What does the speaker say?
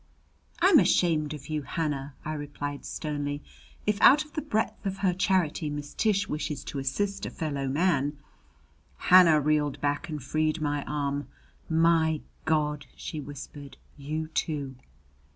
"I'm ashamed of you, Hannah!" I replied sternly. "If out of the breadth of her charity Miss Tish wishes to assist a fellow man " Hannah reeled back and freed my arm. "My God!" she whispered. "You too!"